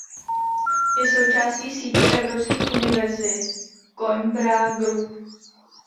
Je součástí sítě evropských univerzit Coimbra Group.